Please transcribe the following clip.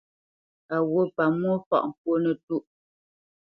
A wût pamwô fâʼ ŋkwó nətûʼ.